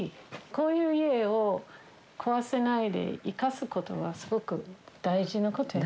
こういう家を壊さないで生かす事はすごく大事な事よね。